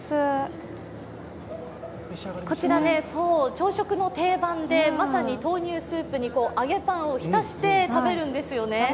こちらは朝食の定番で、まさに豆乳スープに揚げパンを浸して食べるんですよね。